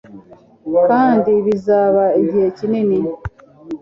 kandi bizaba igihe kinini